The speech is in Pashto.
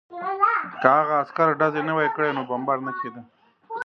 که هغه عسکر ډزې نه وای کړې نو بمبار نه کېده